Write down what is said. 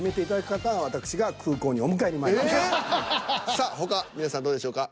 さあ他皆さんどうでしょうか？